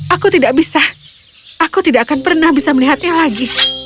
aku tidak bisa aku tidak akan pernah bisa melihatnya lagi